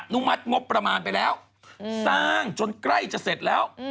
นุมัติงบประมาณไปแล้วสร้างจนใกล้จะเสร็จแล้ว